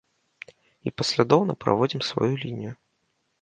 І паслядоўна праводзім сваю лінію.